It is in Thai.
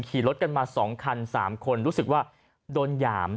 ขี่รถกันมา๒คัน๓คนรู้สึกว่าโดนหยาม